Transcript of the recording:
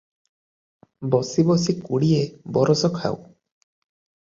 ବସି ବସି କୋଡ଼ିଏ ବରଷ ଖାଉ ।"